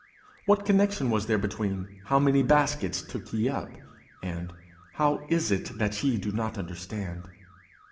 What connection was there between 'How many baskets took ye up?' and 'How is it that ye do not understand?'